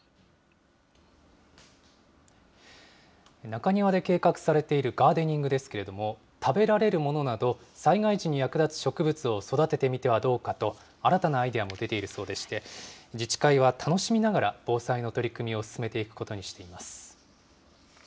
中庭で計画されているガーデニングですけれども、食べられるものなど、災害時に役立つ植物を育ててみてはどうかと、新たなアイデアも出ているそうでして、自治会は楽しみながら、防災の取り組みを進めていくことにしています。